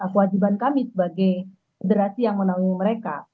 kewajiban kami sebagai federasi yang menaungi mereka